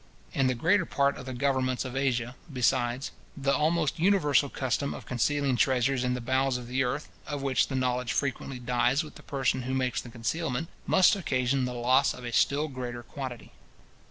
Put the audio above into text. In the greater part of the governments of Asia, besides, the almost universal custom of concealing treasures in the bowels of the earth, of which the knowledge frequently dies with the person who makes the concealment, must occasion the loss of a still greater quantity.